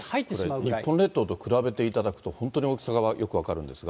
これ、日本列島と比べていただくと、本当に大きさがよく分かるんですが。